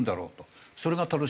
それが楽しみ。